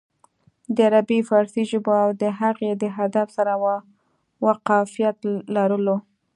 د عربي فارسي ژبو او د هغې د ادب سره واقفيت لرلو